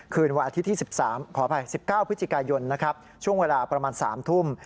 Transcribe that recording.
คืนวันอาทิตย์ที่๑๙พฤศจิกายนช่วงเวลาประมาณ๓ทุ่ม